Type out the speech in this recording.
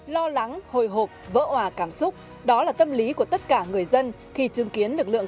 lo lắng hồi hộp vỡ hòa cảm xúc đó là tâm lý của tất cả người dân khi chứng kiến lực lượng